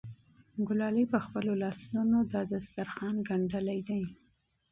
ګلالۍ په خپلو لاسونو دا دسترخوان ګنډلی دی.